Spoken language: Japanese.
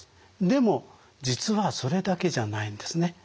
でも実はそれだけじゃないんですね。